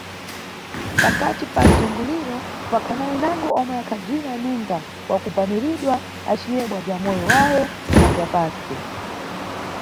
Pakati pa mzunguliro pakhana winango omwe akhabzina ninga wakugwaniridwa, aciyebwa bza moyo wawo na bza pantsi.